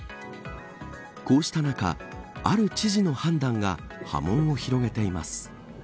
こうした中、ある知事の判断が波紋を広げています。